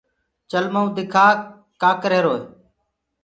چل مئو دکآ ڪآ ڪريهروئي